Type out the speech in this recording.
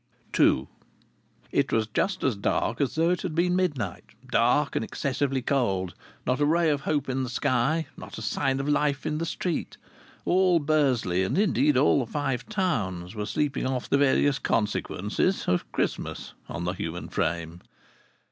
II It was just as dark as though it had been midnight dark and excessively cold; not a ray of hope in the sky; not a sign of life in the street. All Bursley, and, indeed, all the Five Towns, were sleeping off the various consequences of Christmas on the human frame.